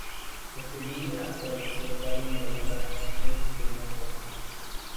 Estudió en el actual Liceo Pablo Neruda de Temuco.